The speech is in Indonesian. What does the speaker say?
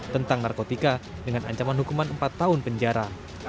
tentang narkotika dengan ancaman hukuman empat tahun penjara